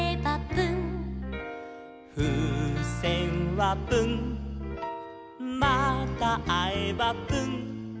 「ふうせんはプンまたあえばプン」